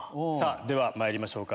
ではまいりましょうか。